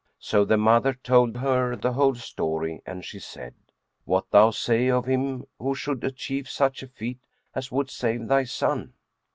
So the mother told her the whole story, and she said, "What thou say of him who should achieve such a feat as would save thy son?"